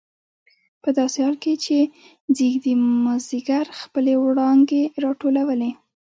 په داسې حال کې چې ځېږدي مازدیګر خپلې وړانګې راټولولې.